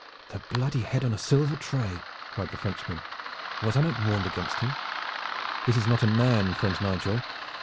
"The bloody head on a silver tray!" cried the Frenchman. "Was I not warned against him? This is not a man, friend Nigel.